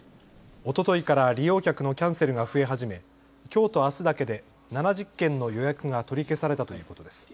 おとといから利用客のキャンセルが増え始めきょうとあすだけで７０件の予約が取り消されたということです。